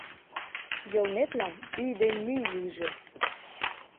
— Йылметлан ӱй ден мӱй лийже.